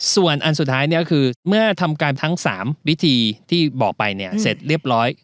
ส่วนอันสุดท้ายเนี่ยก็คือเมื่อทำการทั้ง๓วิธีที่บอกไปเนี่ยเสร็จเรียบร้อย